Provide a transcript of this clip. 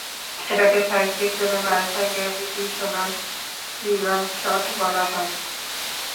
এটাকে সায়েন্স ফিকশনের ভাষায় গ্র্যাভিটিশনাল স্লিং শট বলা হয়।